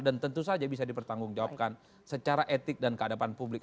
dan tentu saja bisa dipertanggungjawabkan secara etik dan keadapan publik